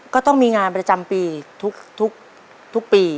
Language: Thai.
ก็ต้องมีงานประจำปีทุกปี